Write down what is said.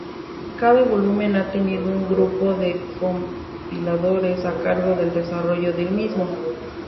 Cada volumen ha tenido un grupo de compiladores a cargo del desarrollo del mismo.